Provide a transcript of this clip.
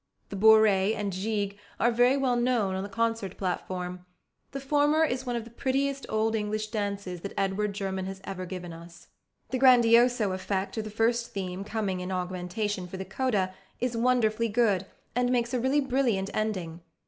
The Bourrée and Gigue are very well known on the concert platform. The former is one of the prettiest Old English dances that Edward German has ever given us. The grandioso effect of the first theme coming in augmentation for the coda is wonderfully good, and makes a really brilliant ending.